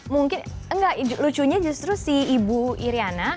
mungkin enggak lucunya justru si ibu iryana